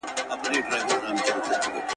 آیا د ناغيړۍ په صورت کي سزا ورکول کيږي؟